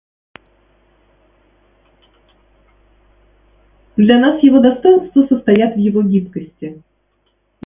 Для нас его достоинства состоят в его гибкости.